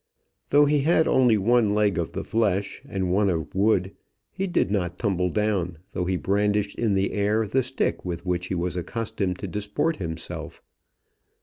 Though he had only one leg of the flesh, and one of wood, he did not tumble down, though he brandished in the air the stick with which he was accustomed to disport himself.